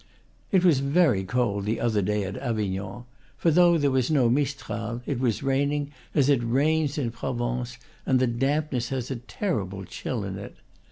It was very cold, the other day, at Avignon; for though there was no mistral, it was raining as it rains in Provence, and the dampness had a terrible chill in it.